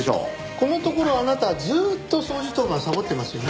このところあなたはずーっと掃除当番サボってますよね？